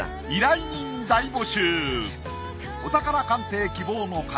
お宝鑑定希望の方